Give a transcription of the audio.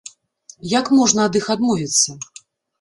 Як можна ад іх адмовіцца?